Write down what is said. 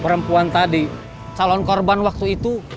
perempuan tadi calon korban waktu itu